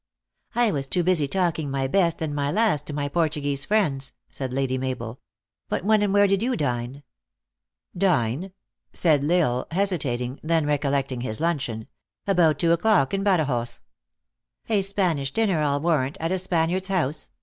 " I was too busy talking my best and my last to my Portuguese friends," said Lady Mabel. " But when and where did you dine ?"" Dine ?" said L Isle, hesitating, then recollecting his luncheon ;" about two o clock, in Badajoz." " A Spanish dinner, I ll warrant, at a Spaniard s house!"